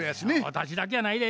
私だけやないで。